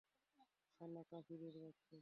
শালা কাফিরের বাচ্চা!